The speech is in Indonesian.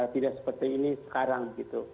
tidak seperti ini sekarang